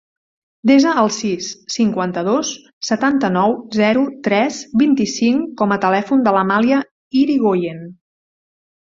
Desa el sis, cinquanta-dos, setanta-nou, zero, tres, vint-i-cinc com a telèfon de l'Amàlia Irigoyen.